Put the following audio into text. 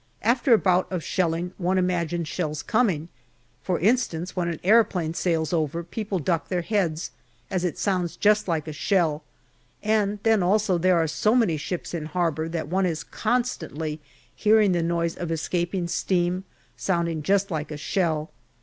After a bout of shelling one imagines shells coming. For instance, when an aeroplane sails over, people duck their heads, as it sounds just like a shell ; and then also there are so many ships in harbour that one is constantly hearing the noise of escaping steam, sounding just like a shell.